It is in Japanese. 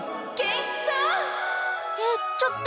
えっちょっと。